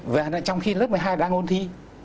và trong khi lớp một mươi hai đang ôn thi